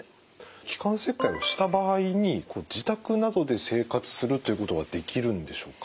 気管切開をした場合に自宅などで生活するということはできるんでしょうか？